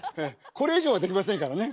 これ以上はできませんからね。